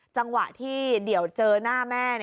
จังหวะที่เดี่ยวเจอหน้าแม่